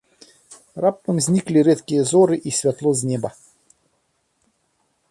Раптам зніклі рэдкія зоры і святло з неба.